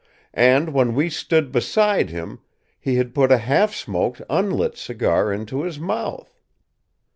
And, when we stood beside him, he had put a half smoked, unlit cigar into his mouth.